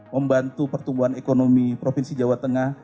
membantu pertumbuhan ekonomi provinsi jawa tengah